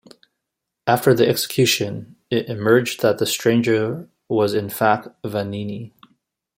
After the execution it emerged that the stranger was in fact Vanini.